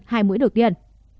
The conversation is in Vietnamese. hai mũi đầu tiên